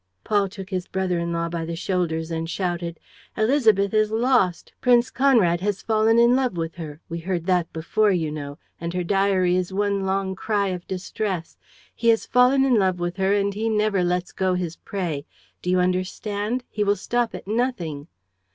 Paul took his brother in law by the shoulders and shouted: "Élisabeth is lost. Prince Conrad has fallen in love with her we heard that before, you know; and her diary is one long cry of distress he has fallen in love with her and he never lets go his prey. Do you understand? He will stop at nothing!"